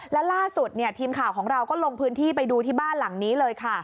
และล่าสุดทีมข่าวของเราก็ลงพื้นที่ไปดูที่บ้านหลังนี้เลยค่ะ